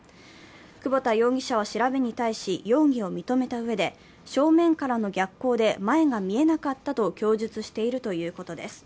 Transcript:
久保田容疑者は調べに対し、容疑を認めたうえで、正面からの逆光で前が見えなかったと供述しているということです。